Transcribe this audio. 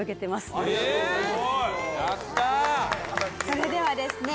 それではですね